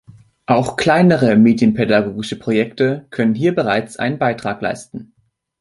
Auch kleinere medienpädagogische Projekte können hier bereits einen Beitrag leisten.